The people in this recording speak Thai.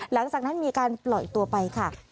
หลังจากนั้นมีการปล่อยตัวไปค่ะ